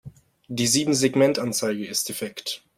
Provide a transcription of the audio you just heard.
Die Siebensegmentanzeige ist defekt.